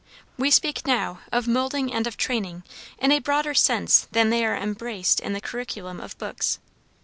We speak now of moulding and of training in a broader sense than they are embraced in the curriculum of books.